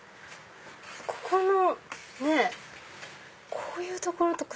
ここのこういう所とか。